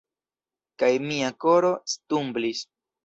Kaj mia koro stumblis.